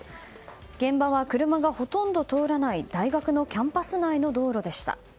現場は車がほとんど通らない大学のキャンパス内の道路でした。